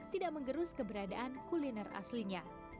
tidak mengerus keberadaan kuliner aslinya